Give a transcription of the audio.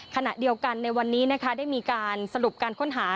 ขณะเดียวกันในวันนี้นะคะได้มีการสรุปการค้นหา